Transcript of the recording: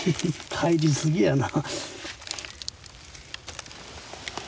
入り過ぎやな。